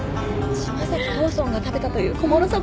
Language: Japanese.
島崎藤村が食べたという小諸そば